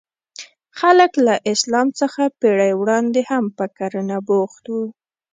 خلک له اسلام څخه پېړۍ وړاندې هم په کرنه بوخت وو.